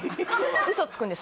ウソつくんです